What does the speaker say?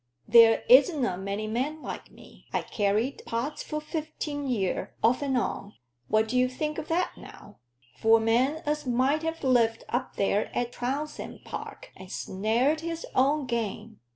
There isna many men like me. I carried pots for fifteen year off and on what do you think o' that now, for a man as might ha' lived up there at Trounsem Park, and snared his own game?